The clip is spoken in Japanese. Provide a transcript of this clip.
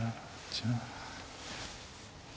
じゃあ。